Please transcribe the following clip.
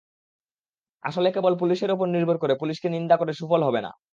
আসলে কেবল পুলিশের ওপর নির্ভর করে, পুলিশকে নিন্দা করে সুফল হবে না।